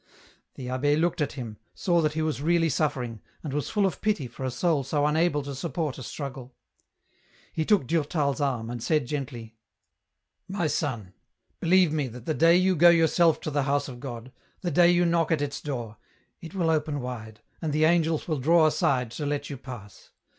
The abbe looked at him, saw that he was really suffering, and was full of pity for a soul so unable to support a struggle. He took Durtal's arm, and said gently, —" My son, believe me that the day you go yourself to the house of God, the day you knock at its door, it will open wide, and the angels will draw aside to let you pass.